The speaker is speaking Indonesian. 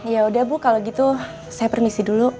yaudah bu kalau gitu saya permisi dulu